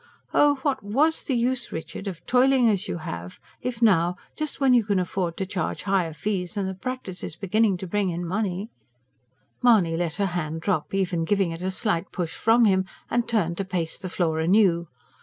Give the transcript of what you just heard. Oh, what WAS the use, Richard, of toiling as you have, if now, just when you can afford to charge higher fees and the practice is beginning to bring in money " Mahony let her hand drop, even giving it a slight push from him, and turned to pace the floor anew.